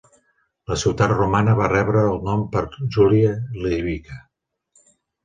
La ciutat romana va rebre el nom per Julia Libyca.